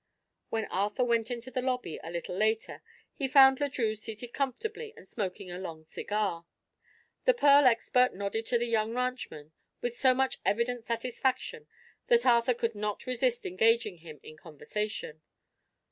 When Arthur went into the lobby a little later he found Le Drieux seated comfortably and smoking a long cigar. The pearl expert nodded to the young ranchman with so much evident satisfaction that Arthur could not resist engaging him in conversation.